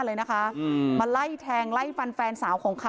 แล้วก็มาก่อเหตุอย่างที่คุณผู้ชมเห็นในคลิปนะคะ